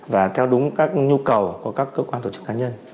và theo đúng các nhu cầu của các cơ quan tổ chức cá nhân